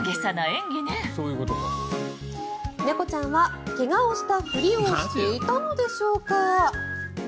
猫ちゃんは怪我をしたふりをしていたのでしょうか。